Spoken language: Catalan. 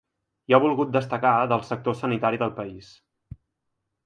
I ha volgut destacar del sector sanitari del país.